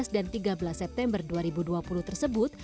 dua belas dan tiga belas september dua ribu dua puluh tersebut